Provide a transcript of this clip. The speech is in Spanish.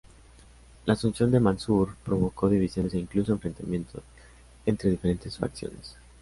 La asunción de Mansur provocó divisiones e incluso enfrentamientos entre diferentes facciones.